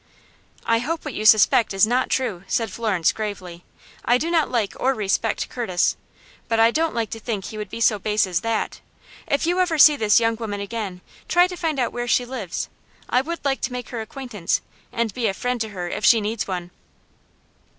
"I hope what you suspect is not true," said Florence, gravely. "I do not like or respect Curtis, but I don't like to think he would be so base as that. If you ever see this young woman again, try to find out where she lives. I would like to make her acquaintance, and be a friend to her if she needs one."